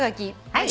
はい。